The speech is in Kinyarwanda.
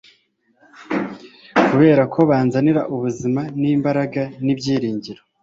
kuberako binzanira ubuzima, n'imbaraga, n'ibyiringiro